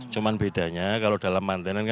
cuman bedanya kalau dalam mantenan